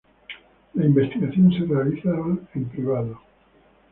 La Investigación se realizaba en privado.